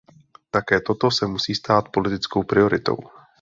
Také toto se musí stát politickou prioritou!